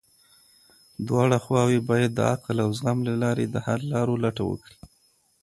دواړه خواوې بايد د عقل او زغم له لارې د حل لارو لټه وکړي.